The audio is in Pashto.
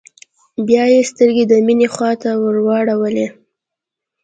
بيا يې سترګې د مينې خواته واړولې.